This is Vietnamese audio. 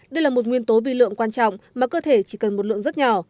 đây là một nguyên tố vì lượng quan trọng mà cơ thể chỉ cần một lượng rất nhỏ